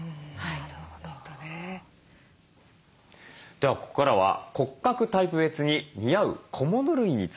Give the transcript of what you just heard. ではここからは骨格タイプ別に似合う小物類について見てまいります。